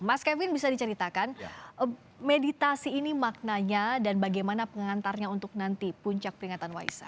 mas kevin bisa diceritakan meditasi ini maknanya dan bagaimana pengantarnya untuk nanti puncak peringatan waisak